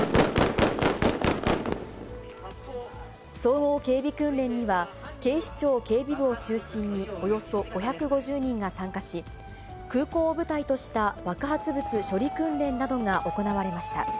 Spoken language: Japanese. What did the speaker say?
総合警備訓練には、警視庁警備部を中心におよそ５５０人が参加し、空港を舞台とした爆発物処理訓練などが行われました。